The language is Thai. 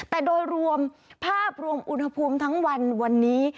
แต่โดยรวมภาพรวมอุณหภูมิทั้งวันวันนี้